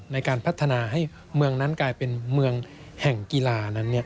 ในการพัฒนาให้เมืองนั้นกลายเป็นเมืองแห่งกีฬานั้น